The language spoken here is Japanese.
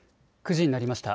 ９時になりました。